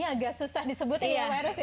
ini agak susah disebut ini virus ini